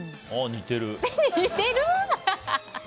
似てる？